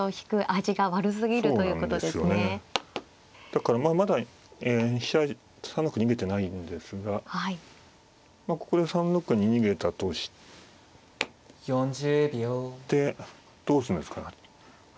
だからまあまだ飛車３六に逃げてないんですがまあここで３六に逃げたとしてどうするんですかね。